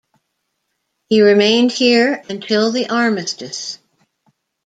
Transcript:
He remained here until the Armistice.